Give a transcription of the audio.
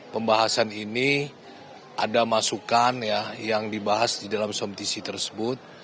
pembahasan ini ada masukan yang dibahas di dalam somtisi tersebut